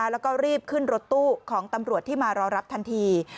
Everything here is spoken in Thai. แล้วก็รีบขึ้นรถตู้ของตำรวจที่มารอรับทันที